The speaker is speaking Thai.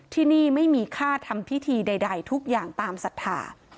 ที่นี่ไม่มีค่าทำพิธีใดทุกอย่างตามศรัทธา